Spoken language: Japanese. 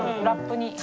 ラップに。